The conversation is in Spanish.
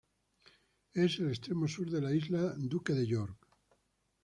Es el extremo sur de la isla Duque de York.